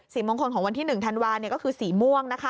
สีมงคลของวันที่หนึ่งธันวาคมเนี่ยก็คือสีม่วงนะคะ